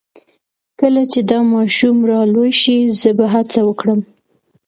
کله چې دا ماشوم را لوی شي زه به هڅه وکړم